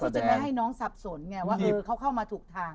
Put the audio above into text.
เพื่อที่จะไม่ให้น้องทรัพย์สนไงว่าเออเขาเข้ามาถูกทาง